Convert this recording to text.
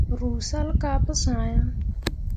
Ruu salle kah pu sã ah.